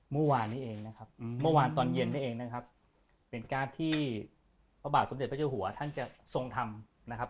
เมื่อวานนี้เองนะครับเมื่อวานตอนเย็นนี่เองนะครับเป็นการที่พระบาทสมเด็จพระเจ้าหัวท่านจะทรงทำนะครับ